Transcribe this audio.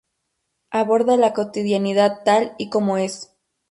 Aborda la cotidianidad tal y como es.